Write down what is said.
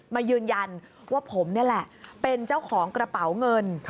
มายืนยันว่าผมนี่แหละเป็นเจ้าของกระเป๋าเงิน